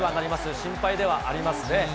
心配ではありますね。